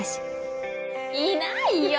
いないよ！